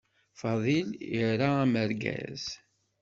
Fadil ira amergaz.